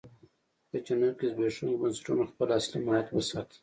په جنوب کې زبېښونکو بنسټونو خپل اصلي ماهیت وساته.